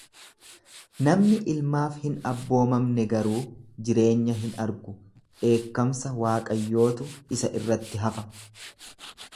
Namni ilmaaf hin abboomamne garuu jireenya hin argu, dheekkamsa Waaqayyootu isa irratti hafa.